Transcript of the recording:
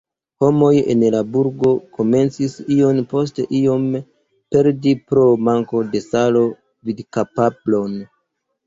Homoj en la burgo komencis iom post iom perdi pro manko de salo vidkapablon.